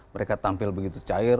mereka tampil begitu cair